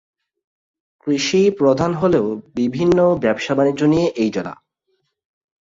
কৃষি প্রধান হলেও বিভিন্ন ব্যবসা-বাণিজ্য নিয়ে এই জেলা।